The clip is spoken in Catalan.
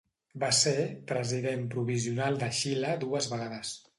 Va ser president provisional de Xile dues vegades.